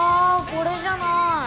これじゃない。